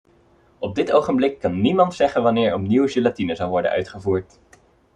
Op dit ogenblik kan niemand zeggen wanneer opnieuw gelatine zal worden uitgevoerd.